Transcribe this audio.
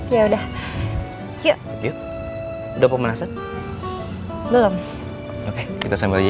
pokoknya hari ini kita bakal jogging sampe selesai